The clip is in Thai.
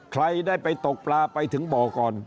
ใครได้ไปตกปลาไปถึงบ่อก่อน